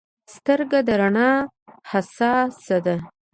سترګه د رڼا حساسه ده.